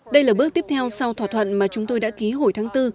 đây là bước tiếp theo sau thỏa thuận mà chúng tôi đã ký hồi tháng bốn